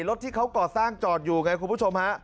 รถที่เขาก่อสร้างจอดอยู่ไงคุณผู้ชมฮะ